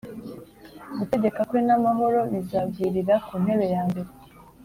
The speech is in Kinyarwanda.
Gutegeka kwe n amahoro bizagwirira ku ntebe yambere